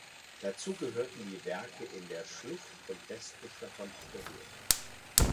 Dazu gehörten die Werke in der Schlucht und westlich davon auf der Höhe.